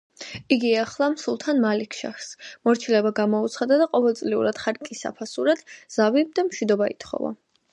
იგი ეახლა სულთან მალიქ-შაჰს, მორჩილება გამოუცხადა და ყოველწლიურად ხარკის საფასურად ზავი და მშვიდობა ითხოვა.